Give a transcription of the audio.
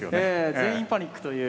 全員パニックという。